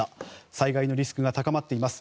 災害のリスクが高まっています。